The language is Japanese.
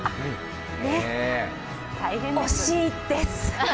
大変うれしいです。